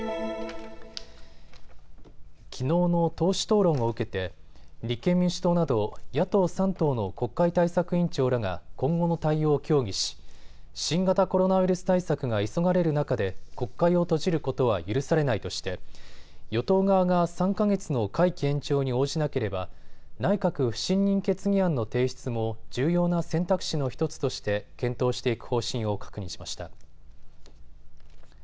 きのうの党首討論を受けて立憲民主党など野党３党の国会対策委員長らが今後の対応を協議し、新型コロナウイルス対策が急がれる中で国会を閉じることは許されないとして与党側が３か月の会期延長に応じなければ内閣不信任決議案の提出も重要な選択肢の１つとして検討していく方針を確認しました。